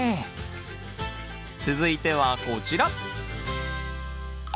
続いてはこちら！